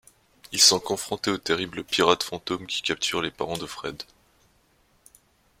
Ils sont confrontés aux terribles pirates fantômes qui capturent les parents de Fred.